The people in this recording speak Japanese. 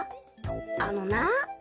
あのな。